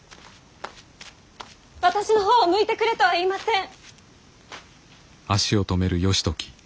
私の方を向いてくれとは言いません。